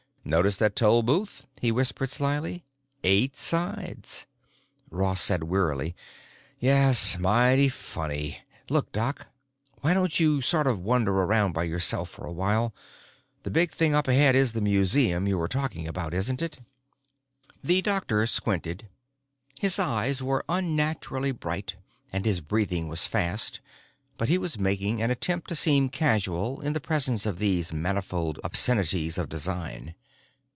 "Notice that toll booth?" he whispered slyly. "Eight sides!" Ross said wearily, "Yes, mighty funny! Look, Doc, why don't you sort of wander around by yourself for a while? That big thing up ahead is the museum you were talking about, isn't it?" The doctor squinted. His eyes were unnaturally bright, and his breathing was fast, but he was making an attempt to seem casual in the presence of these manifold obscenities of design.